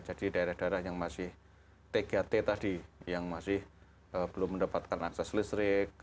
jadi daerah daerah yang masih tgat tadi yang masih belum mendapatkan akses listrik